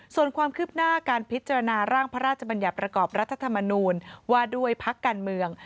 ส่วนความคืบหน้าการพิจารณาร่างพระราชบัญญัติประกอบรัฐธรรมนูญว่าด้วยพักการเมือง